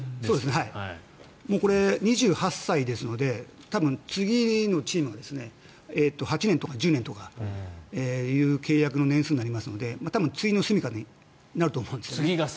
もう２８歳ですので多分、次のチーム８年とか１０年とかっていう契約の年数になりますのでついの住み家になると思います。